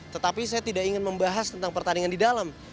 tetapi saya tidak ingin membahas tentang pertandingan di dalam